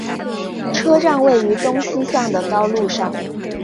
车站位于东西向的高路上。